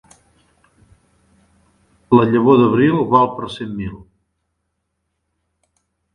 La llavor d'abril val per cent mil.